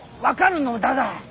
分かるのだが。